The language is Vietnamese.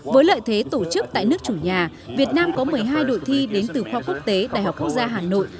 với lợi thế tổ chức tại nước chủ nhà việt nam có một mươi hai đội thi đến từ khoa quốc tế đại học quốc gia hà nội